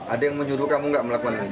ada yang menjuruh kamu enggak melakukan